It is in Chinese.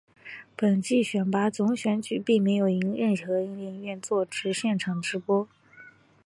本届选拔总选举并没有任何电影院作现场直播。